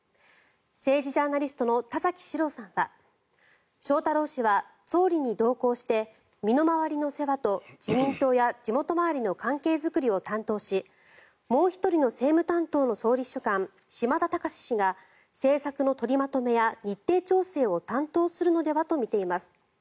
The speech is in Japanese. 政治ジャーナリストの田崎史郎さんは翔太郎氏は総理に同行して身の回りの世話と自民党や地元周りの関係作りを担当しもう１人の政務担当の秘書官嶋田隆氏が政策の取りまとめや日程調整を担当するのではとみています。